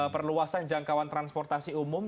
perluasan jangkauan transportasi umum